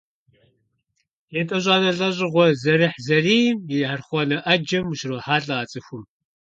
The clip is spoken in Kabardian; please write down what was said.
ЕтӀощӀанэ лӀэщӀыгъуэ зэрыхьзэрийм и архъуанэ Ӏэджэм ущрохьэлӀэ а цӀыхум.